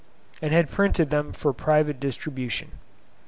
and had printed them for private distribution.